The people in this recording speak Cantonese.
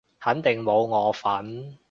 肯定冇我份